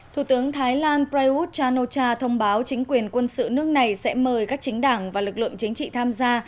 thủ tướng thái lan prayuth chan o cha thông báo chính quyền quân sự nước này sẽ mời các chính đảng và lực lượng chính trị tham gia